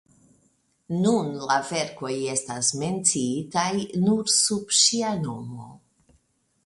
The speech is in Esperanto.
Nun la verkoj estas menciitaj nur sub ŝia nomo.